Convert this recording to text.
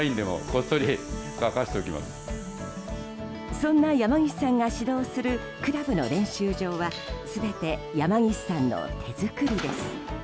そんな山岸さんが指導するクラブの練習場は全て山岸さんの手作りです。